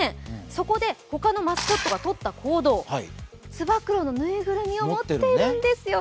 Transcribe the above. そこで、ほかのマスコットがとった行動、つば九郎のぬいぐるみを持っているんですよ！